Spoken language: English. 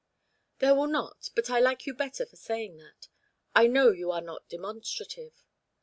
"There will not, but I like you better for saying that I know you are not demonstrative."